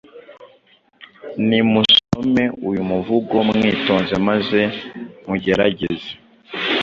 Nimusome uyu muvugo mwitonze maze mugerageze